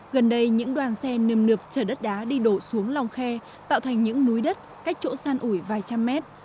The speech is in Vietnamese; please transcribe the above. gần đây những đoàn xe nườm nượp trở đất đá đi đổ xuống lòng khe tạo thành những núi đất cách chỗ san ủi vài trăm mét